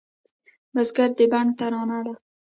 بزګر د بڼ ترانه ده